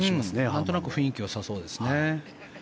なんとなく雰囲気よさそうですね。